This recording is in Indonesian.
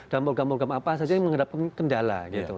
dan program program apa saja yang menghadapi kendala gitu